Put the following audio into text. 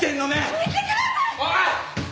おい！